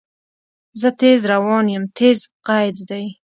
زه تیز روان یم – "تیز" قید دی.